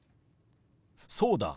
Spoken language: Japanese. そうだ。